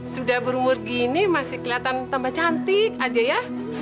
sudah berumur gini masih kelihatan tambah cantik aja ya